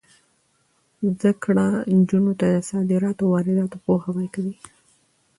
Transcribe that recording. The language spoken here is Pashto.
زده کړه نجونو ته د صادراتو او وارداتو پوهه ورکوي.